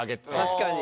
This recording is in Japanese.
確かに。